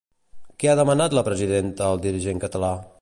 Què ha demanat la presidenta al dirigent català?